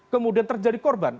kemudian terjadi korban